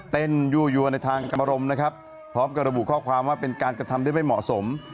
ยั่วยัวในทางกรรมรมนะครับพร้อมกับระบุข้อความว่าเป็นการกระทำได้ไม่เหมาะสม